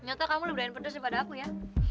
ternyata kamu lebih berani pedes daripada aku ya